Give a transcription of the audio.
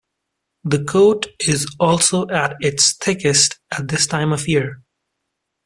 The coat is also at its thickest at this time of year.